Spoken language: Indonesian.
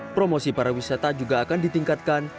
promosi para wisata juga akan ditingkatkan